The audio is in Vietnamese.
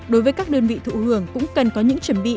đối với các đơn vị thụ hưởng cũng cần có những chuẩn bị